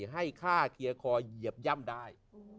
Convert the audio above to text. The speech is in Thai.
ให้ค่าเคลียร์คอเหยียบย่ำได้